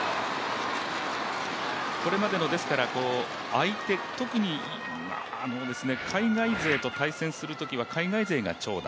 これまでの相手特に海外勢と対戦するときは海外勢が長打。